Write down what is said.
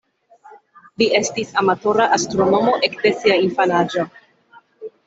Li estis amatora astronomo ekde sia infanaĝo.